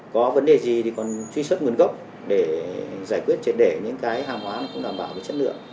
có vấn đề gì thì còn truy xuất nguồn gốc để giải quyết chế để những cái hàng hóa cũng đảm bảo chất lượng